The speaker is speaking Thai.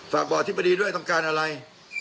ฝากบอกอธิบดีด้วยต้องการอะไร